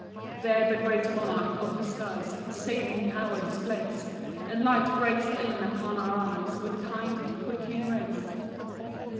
2 There the great Monarch of the skies His saving power displays, And light breaks in upon our eyes With kind and quickening rays.